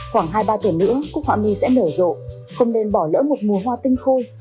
khoảng hai ba tuần nữa cúc họa mi sẽ nở rộ không nên bỏ lỡ một mùa hoa tinh khôi